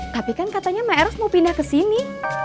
tapi kan katanya maeros mau pindah kesini